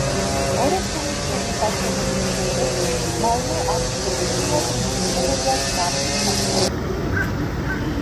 ორესუნის ხიდის აშენების შემდეგ მალმე არქიტექტურულად მნიშვნელოვნად განვითარდა.